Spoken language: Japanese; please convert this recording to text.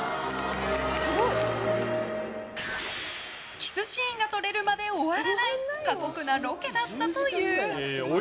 キスシーンが撮れるまで終わらない過酷なロケだったという。